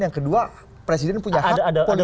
yang kedua presiden punya hak politik